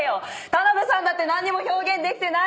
田辺さんだって何にも表現できてないじゃん！